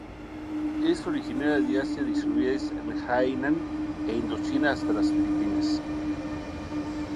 Es originaria de Asia distribuidas en Hainan e Indochina hasta las Filipinas.